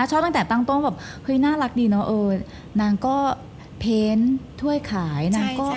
ตั้งแต่ตั้งต้นแบบเฮ้ยน่ารักดีเนอะเออนางก็เพ้นถ้วยขายนางก็